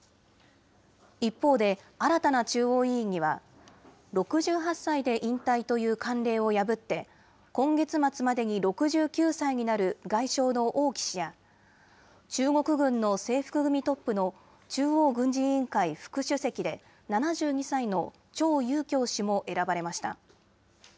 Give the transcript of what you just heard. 一方で、新たな中央委員には、６８歳で引退という慣例を破って、今月末までに６９歳になる外相の王毅氏や、中国軍の制服組トップの中央軍事委員会副主席で、７２歳の張又侠氏も選ばれました。